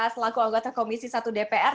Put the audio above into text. selaku anggota komisi satu dpr